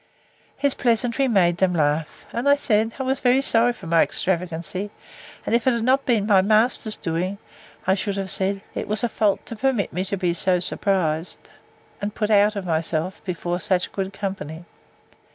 His pleasantry made them laugh. And I said, I was very sorry for my extravagancy: and if it had not been my master's doings, I should have said, it was a fault to permit me to be surprised, and put out of myself, before such good company.